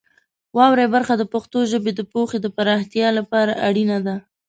واورئ برخه د پښتو ژبې د پوهې د پراختیا لپاره اړینه ده.